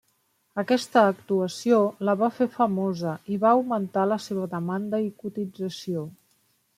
Aquesta actuació la va fer famosa i va augmentar la seva demanda i cotització.